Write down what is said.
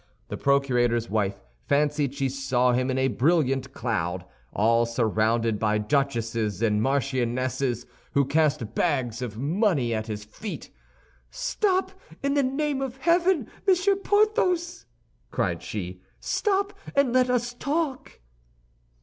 The procurator's wife fancied she saw him in a brilliant cloud, all surrounded by duchesses and marchionesses, who cast bags of money at his feet. "Stop, in the name of heaven, Monsieur Porthos!" cried she. "Stop, and let us talk."